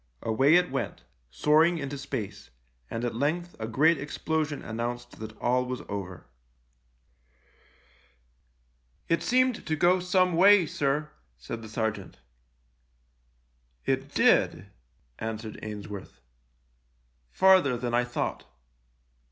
Away it went, soaring into space, and at length a great explosion announced that all was over. 2 18 THE LIEUTENANT "It seemed to go some way, sir/' said the sergeant. " It did," answered Ainsworth, " farther than I thought."